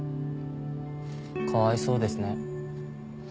かわいそうですね。